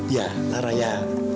ya lara ya